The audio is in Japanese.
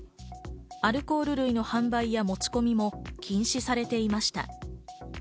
アルコール類の販売や持ち込みも禁止されていました。